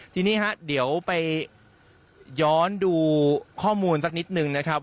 ทีนี้ฮะเดี๋ยวไปย้อนดูข้อมูลสักนิดนึงนะครับ